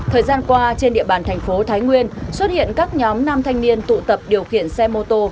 thời gian qua trên địa bàn thành phố thái nguyên xuất hiện các nhóm nam thanh niên tụ tập điều khiển xe mô tô